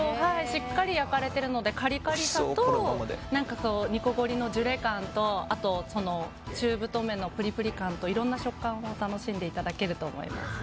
しっかり焼かれてるのでカリカリさと煮こごりのジュレ感と中太麺のプリプリ感といろんな食感を楽しんでいただけると思います。